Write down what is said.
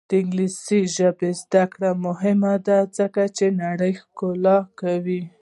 د انګلیسي ژبې زده کړه مهمه ده ځکه چې نړۍ ښکلې کوي.